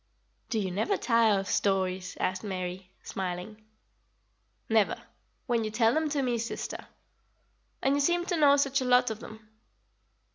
"Do you never tire of stories?" asked Mary, smiling. "Never, when you tell them to me, sister. And you seem to know such a lot of them."